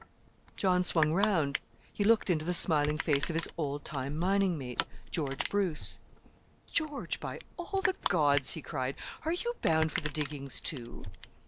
John swung round. He looked into the smiling face of his old time mining mate, George Bruce. "George, by all the gods!" he cried. "Are you bound for the diggings, too?"